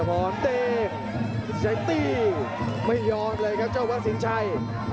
วัดสินชัยตีไม่ยอดเลยครับเจ้าวัดสินชัย